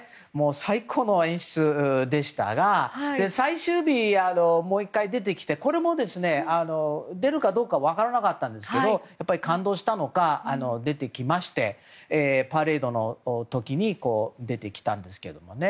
最高の演出でしたが最終日、もう１回出てきてこれも出るかどうか分からなかったんですけど感動したのか出てきましてパレードの時に出てきたんですけどもね。